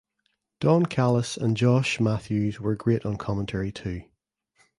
Don Callis and Josh Matthews were great on commentary too.